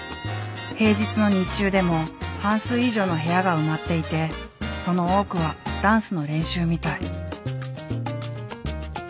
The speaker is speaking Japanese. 平日の日中でも半数以上の部屋が埋まっていてその多くはダンスの練習みたい。